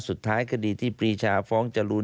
สุดท้ายคดีที่ปรีชาฟ้องจรูน